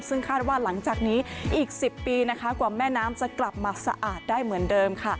ซึ่งคาดว่าหลังจากนี้อีก๑๐ปีกว่าแม่น้ำจะกลับมาสะอาดได้เหมือนเดิมค่ะ